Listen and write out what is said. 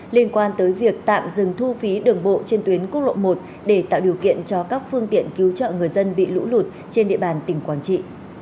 liên quan tới việc tạm dừng thu phí đường bộ trên tuyến quốc lộ một để tạo điều kiện cho các phương tiện cứu trợ người dân bị lũ lụt trên địa bàn tỉnh quảng trị